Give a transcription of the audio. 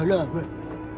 kalau beneran putih